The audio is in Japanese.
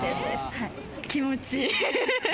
気持ちいい。